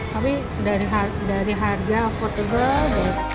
tapi dari harga affordable berapa